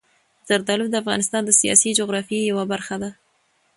زردالو د افغانستان د سیاسي جغرافیې یوه برخه ده.